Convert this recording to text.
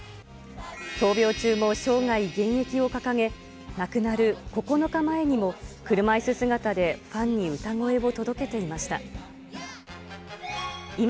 闘病中も生涯現役を掲げ、亡くなる９日前にも、車いす姿でファンに歌声を届けていました。